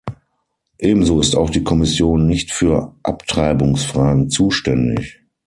Ebenso ist auch die Kommission nicht für Abtreibungsfragen zuständig.